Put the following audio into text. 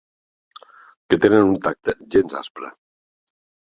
Que tenen un tacte gens aspre.